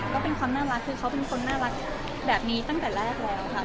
ก็เป็นความน่ารักคือเขาเป็นคนน่ารักแบบนี้ตั้งแต่แรกแล้วค่ะ